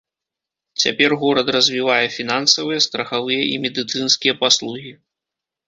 Цяпер горад развівае фінансавыя, страхавыя і медыцынскія паслугі.